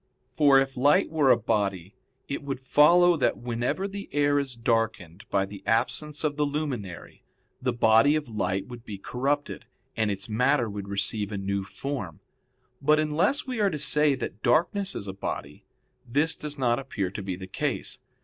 For if light were a body, it would follow that whenever the air is darkened by the absence of the luminary, the body of light would be corrupted, and its matter would receive a new form. But unless we are to say that darkness is a body, this does not appear to be the case.